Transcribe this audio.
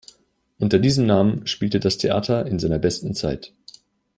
Unter diesem Namen spielte das Theater in seiner besten Zeit.